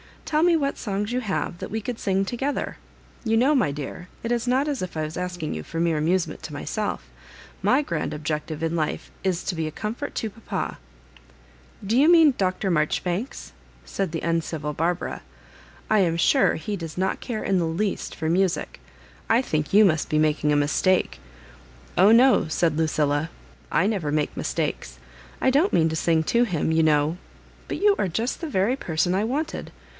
Tell me what songs you have that we could sing together. You know, my dear, it is not as if I was asking you for mere amusement to myself; my grand object in life is to be a eomfort to papa ^*'« Do you mean Dr. Maijoribanks ?" said the uncivil Barbara. *• I am sure he does not care in the least for musia I think yon must be making a mistake "" Oh no," said Lucilla, " I never make mis takes. I don't mean to sing to him, you know ; but you are just the very person I wanted.